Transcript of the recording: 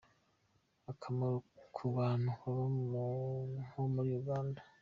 Akamaro ku bantu baba nko muri Uganda:.